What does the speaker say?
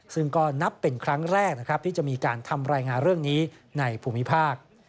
ซึ่งก็นับเป็นครั้งแรกนะครับที่จะมีการทำรายงานเรื่องนี้ในภูมิภาค